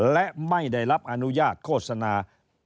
และไม่ได้รับอนุญาตโฆษณา